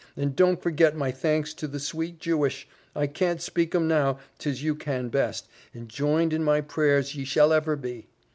and don't forget my thanks to the sweet Jewish I can't speak 'em now, 'tis you can best, and joined in my prayers ye shall ever be!"